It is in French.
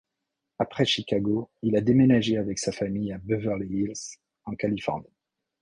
Après Chicago, il a déménagé avec sa famille à Beverly Hills en Californie.